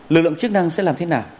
lực lượng chức năng sẽ làm thế nào